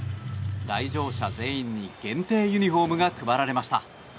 来場者全員に限定ユニホームが配られました。